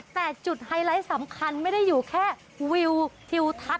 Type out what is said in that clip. แต่จุดไฮไลท์สำคัญไม่ได้อยู่แค่วิวทิวทัศ